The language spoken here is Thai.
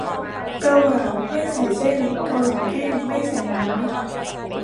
เกาเหลา ไม่ใส่เส้น เกาเหลาแห้ง ไม่ใส่น้ำ